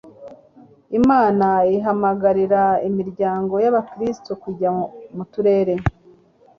Imana ihamagarira imiryango yAbakristo kujya mu turere